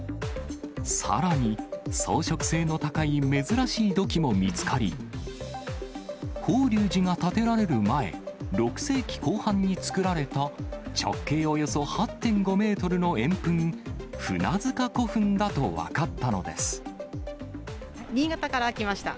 さらに装飾性の高い珍しい土器も見つかり、法隆寺が建てられる前、６世紀後半に作られた直径およそ８．５メートルの円墳、新潟から来ました。